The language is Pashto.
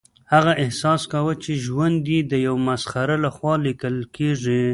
هغه احساس کاوه چې ژوند یې د یو مسخره لخوا لیکل کیږي